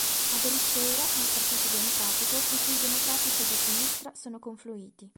Aderisce ora al Partito Democratico, in cui i Democratici di Sinistra sono confluiti.